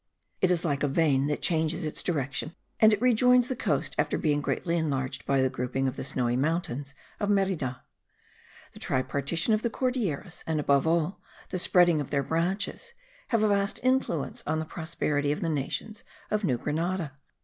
It is like a vein that changes its direction; and it rejoins the coast after being greatly enlarged by the grouping of the snowy mountains of Merida. The tripartition of the Cordilleras, and above all, the spreading of their branches, have a vast influence on the prosperity of the nations of New Grenada.